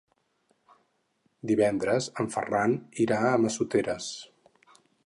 Divendres en Ferran irà a Massoteres.